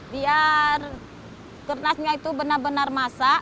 biar kernasnya itu benar benar masak